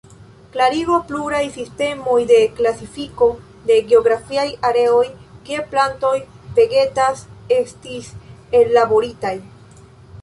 Klarigo Pluraj sistemoj de klasifiko de geografiaj areoj kie plantoj vegetas, estis ellaboritaj.